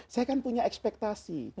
saya kan punya ekspektasi